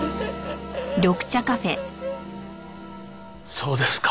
そうですか。